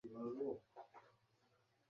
আমি ঘর দেখাশোনা করব।